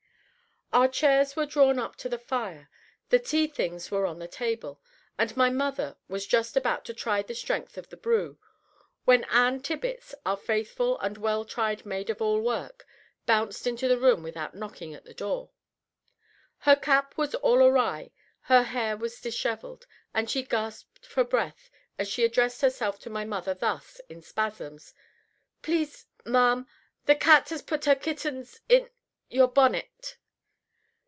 Our chairs were drawn up to the fire, the tea things were on the table, and my mother was just about to try the strength of the brew, when Ann Tibbits, our faithful and well tried maid of all work, bounced into the room without knocking at the door. Her cap was all awry, her hair was dishevelled, and she gasped for breath as she addressed herself to my mother thus, in spasms: "Please ma'am the cat has put her kittens in your bonnet!"